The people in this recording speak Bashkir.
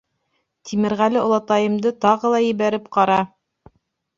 Тимерғәле олатайымды тағы ла ебәреп ҡара.